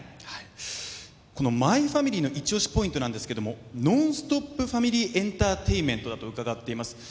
はいこの「マイファミリー」のイチオシポイントなんですけどもノンストップファミリーエンターテインメントだと伺っています